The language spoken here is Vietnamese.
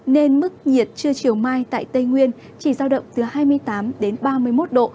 nên mức nhiệt trưa chiều mai tại tây nguyên chỉ giao động từ hai mươi tám đến ba mươi một độ